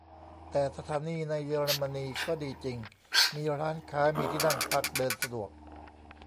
แต่สถานีในเยอรมนีก็ดีจริง มีร้านค้า มีที่นั่งพัก เดินสะดวก